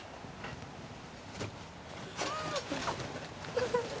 フフフッ。